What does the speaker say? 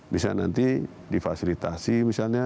bisa nanti difasilitasi misalnya